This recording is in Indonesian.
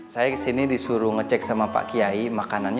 saya disuruh kecek sama pak kiai makanannya